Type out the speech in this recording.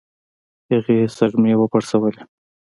هغې سږمې وپړسولې.